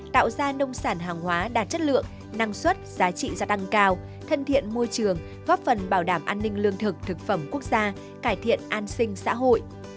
tạo ra nông sản hàng hóa đạt chất lượng năng suất giá trị gia tăng cao thân thiện môi trường góp phần bảo đảm an ninh lương thực thực phẩm quốc gia cải thiện an sinh xã hội